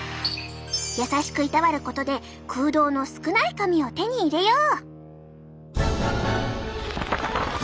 優しくいたわることで空洞の少ない髪を手に入れよう！